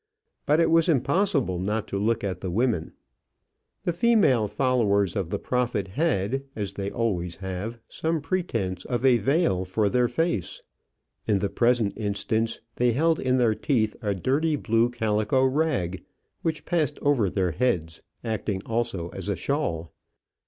But it was impossible not to look at the women. The female followers of the Prophet had, as they always have, some pretence of a veil for their face. In the present instance, they held in their teeth a dirty blue calico rag, which passed over their heads, acting also as a shawl.